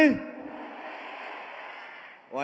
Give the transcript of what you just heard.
พี่ตู่อยู่ไหน